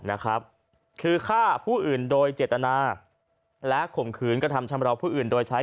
นะครับคือฆ่าผู้อื่นโดยเจตนาและข่มขืนกระทำชำราวผู้อื่นโดยใช้